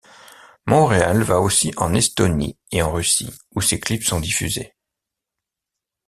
Montreal va aussi en Estonie et en Russie, où ses clips sont diffusés.